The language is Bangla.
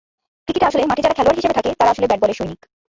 ক্রিকেটে আসলে মাঠে যারা খেলোয়াড় হিসেবে থাকে, তারা আসলে ব্যাট-বলের সৈনিক।